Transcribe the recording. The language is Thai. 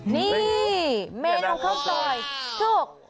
นี่เมนูข้าวซอยจุก